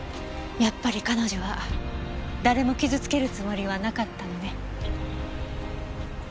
やっぱり彼女は誰も傷つけるつもりはなかったのね。